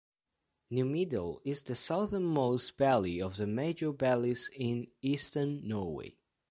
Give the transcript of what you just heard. Numedal is the southernmost valley of the major valleys in Eastern Norway.